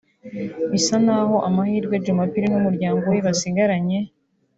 bisa n’aho amahirwe Djumapili n’umuryango we basigaranye